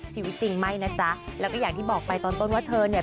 ชีวิตจริงไม่นะจ๊ะแล้วก็อย่างที่บอกไปตอนต้นว่าเธอเนี่ย